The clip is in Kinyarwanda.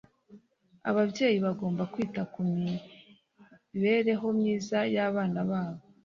ababyeyi bagomba kwita ku mibereho myiza yabana babo